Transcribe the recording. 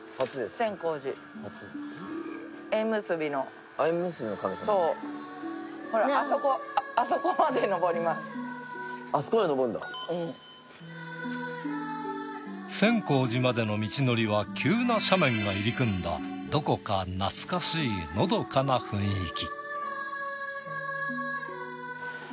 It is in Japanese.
千光寺までの道のりは急な斜面が入り組んだどこか懐かしいのどかな雰囲気。